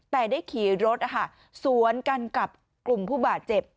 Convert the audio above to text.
แต่ได้ขี่รถสวนกันกับกลุ่มผู้บาดเจ็บ